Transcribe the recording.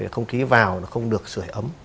không khí vào nó không được sửa ấm